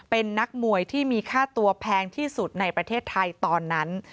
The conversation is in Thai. เป็นนักมวยที่มีค่าตัวแพงที่สุดในประเทศไทยตอนนั้น